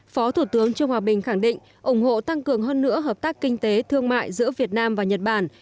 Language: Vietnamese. phó thủ tướng trương hòa bình khẳng định ủng hộ tăng cường hơn nữa hợp tác kinh tế thương mại giữa việt nam và nhật bản